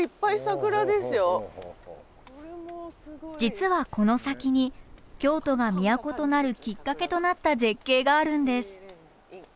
実はこの先に京都が都となるきっかけとなった絶景があるんです。